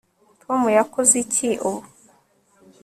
tom yakoze iki ubu